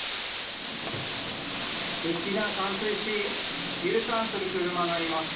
道が冠水しＵターンする車がいます。